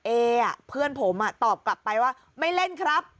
เอเพื่อนผมตอบกลับไปว่าไม่เล่นครับ